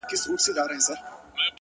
هغه اوس كډ ه وړي كا بل ته ځي-